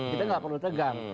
kita tidak perlu tegang